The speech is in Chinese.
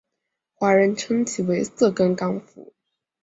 华人称其为色梗港府。